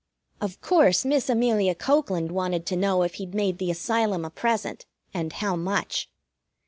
Of course, Miss Amelia Cokeland wanted to know if he'd made the Asylum a present, and how much.